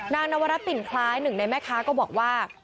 นวรัตปิ่นคล้ายหนึ่งในแม่ค้าก็บอกว่า